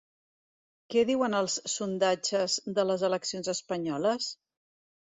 Què diuen els sondatges de les eleccions espanyoles?